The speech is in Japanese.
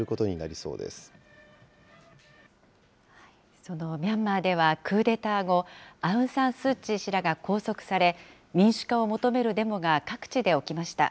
そのミャンマーでは、クーデター後、アウン・サン・スー・チー氏らが拘束され、民主化を求めるデモが各地で起きました。